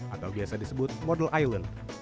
atau biasa disebut model island